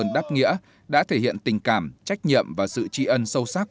đền ơn đáp nghĩa đã thể hiện tình cảm trách nhiệm và sự tri ân sâu sắc